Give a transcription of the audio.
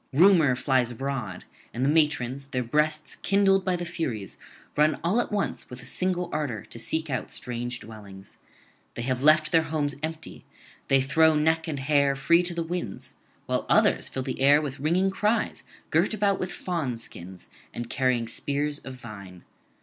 Rumour flies abroad; and the matrons, their breasts kindled by the furies, run all at once [393 426]with a single ardour to seek out strange dwellings. They have left their homes empty, they throw neck and hair free to the winds; while others fill the air with ringing cries, girt about with fawnskins, and carrying spears of vine.